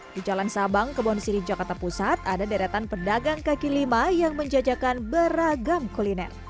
di jalan sabang kebon siri jakarta pusat ada deretan pedagang kaki lima yang menjajakan beragam kuliner